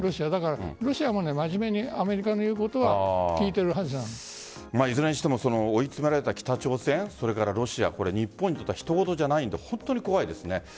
ロシアも真面目にアメリカの言うことはいずれにしても追い詰められた北朝鮮それからロシア日本にとっては他人事ではないので本当に怖いですね。